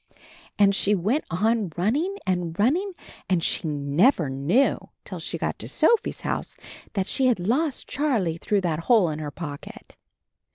And she went on run ning and running and she never knew till she got to Sophie's house that she had lost Charlie through that hole in her pocket!